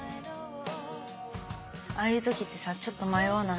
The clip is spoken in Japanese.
ああいう時ってさちょっと迷わない？